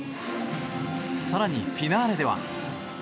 更にフィナーレでは。